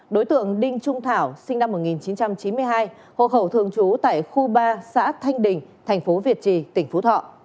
đối tượng đinh trung thảo sinh năm một nghìn chín trăm chín mươi hai hộ khẩu thường trú tại khu ba xã thanh đình thành phố việt trì tỉnh phú thọ